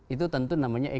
itu tentu namanya ekonomi